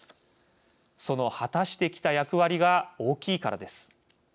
その果たしてきた役割が大きいからです。